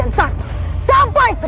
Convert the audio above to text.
atau aku hadir kau